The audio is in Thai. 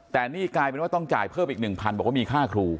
แต่นี่กลายเป็นว่าต้องจ่ายเพิ่มอีก๑๐๐บอกว่ามีค่าครู